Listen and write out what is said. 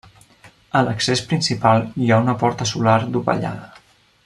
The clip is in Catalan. A l'accés principal hi ha una porta solar dovellada.